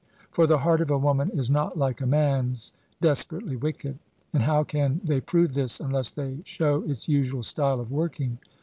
For the heart of a woman is not like a man's, "desperately wicked;" and how can they prove this unless they show its usual style of working?